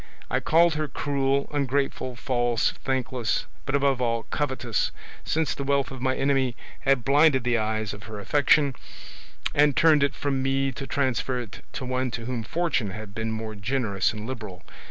I called her cruel, ungrateful, false, thankless, but above all covetous, since the wealth of my enemy had blinded the eyes of her affection, and turned it from me to transfer it to one to whom fortune had been more generous and liberal.